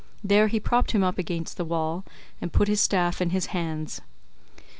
There he propped him up against the wall and put his staff in his hands.